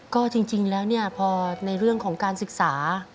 ก็จริงแล้วเนี่ยพอในเรื่องของการศึกษา